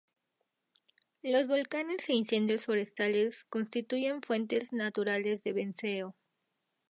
Los volcanes e incendios forestales constituyen fuentes naturales de benceno.